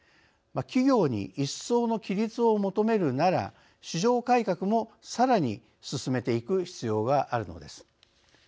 企業に一層の規律を求めるなら市場改革も、さらに進めていく必要があるのです。